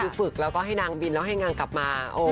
คือฝึกแล้วก็ให้นางบินแล้วให้นางกลับมา